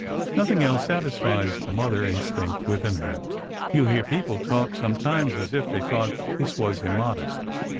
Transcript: Nothing else satisfies the mother instinct within her. You hear people talk sometimes as if they thought this was immodest.